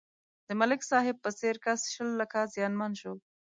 د ملک صاحب په څېر کس شل لکه زیانمن شو.